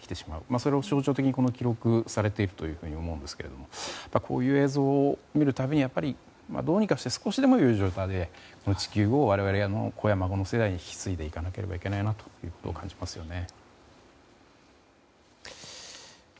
それを象徴的に記録されているというふうに思うんですけどこういう映像を見るたびにどうにかして少しでも良い状態で地球を我々や子や孫の世代に引き継いでいかなければなと感じますね。